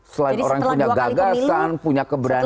selain orang yang punya gagasan punya keberanian